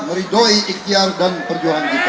meridoi ikhtiar dan perjuangan kita